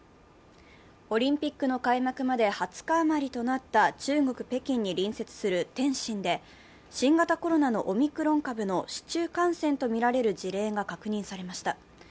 オリンピックの開幕まで２０日余りとなった中国・北京に隣接する天津で新型コロナのオミクロン株の市中感染とみられる事例が確認されました。